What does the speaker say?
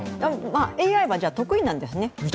ＡＩは得意なんですね。